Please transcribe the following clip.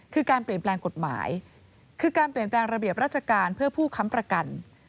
คือการเปลี่ยนแปลงกฎหมายคือการเปลี่ยนแปลงระเบียบราชการเพื่อผู้ค้ำประกัน